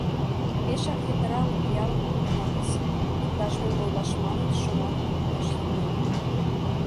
— Пешак йытыра одеялым конденатыс, — иктаж-мом ойлаш манын, шомакым луктеш Йыгнат.